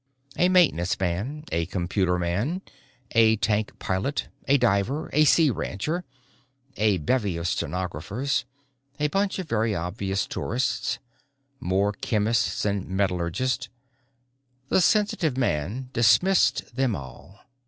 A maintenance man, a computerman, a tank pilot, a diver, a sea rancher, a bevy of stenographers, a bunch of very obvious tourists, more chemists and metallurgists the sensitive man dismissed them all.